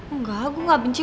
engga gue gak benci